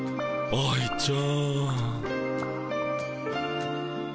愛ちゃん。